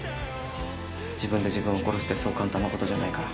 自分で自分を殺すってそう簡単なことじゃないから。